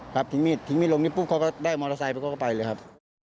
ทิ้งมีดทิ้งมีดลงนี้ปุ๊บเขาก็ได้มอเตอร์ไซค์ไปเขาก็ไปเลยครับ